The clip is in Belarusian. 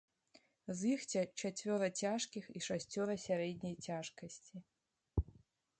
З іх чацвёра цяжкіх і шасцёра сярэдняй цяжкасці.